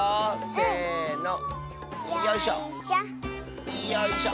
せの！